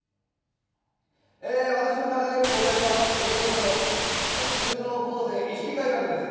私の掲げる公約は、刑務所の就労更生意識改革です。